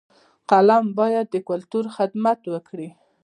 فلم باید د کلتور خدمت وکړي